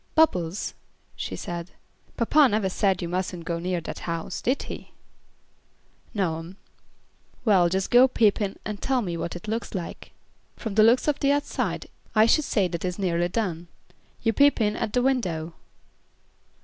"Bubbles," she said, "papa never said you mustn't go near that house, did he?" "No 'm." "Well, just go peep in and tell me what it looks like. From the looks of the outside, I should say that it is nearly done. You peep in at the window."